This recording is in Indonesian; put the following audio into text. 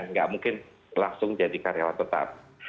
nggak mungkin langsung jadi karyawan tetap